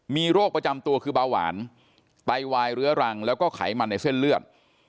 มีโรคประจำตัวคือเบาหวานไตวายเรื้อรังแล้วก็ไขมันในเส้นเลือด